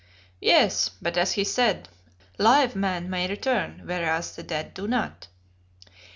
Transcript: "Yes, but as he said, live men may return, whereas the dead do not."